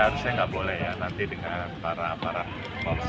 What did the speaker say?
ya harusnya nggak boleh ya nanti dengan para polsek polres kita koordinasi